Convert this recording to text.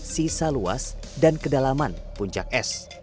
sisa luas dan kedalaman puncak es